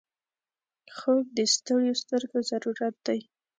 خوب د ستړیو سترګو ضرورت دی